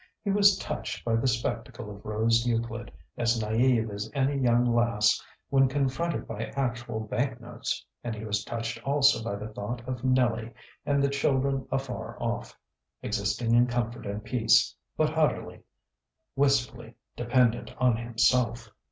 He was touched by the spectacle of Rose Euclid, as naïve as any young lass when confronted by actual bank notes; and he was touched also by the thought of Nellie and the children afar off, existing in comfort and peace, but utterly, wistfully, dependent on himself.